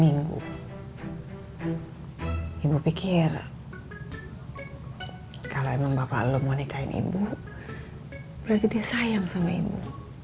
minggu ibu pikir kalau emang bapak lo mau nikahin ibu berarti dia sayang sama ibu